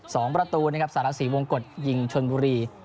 สองประตูนะครับสารสีวงกฎยิงชนบุรี